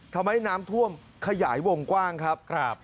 ทำให้น้ำท่วมขยายวงกว้างครับ